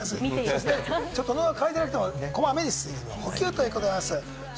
喉が渇いてなくても、こまめに水分補給ということでございます。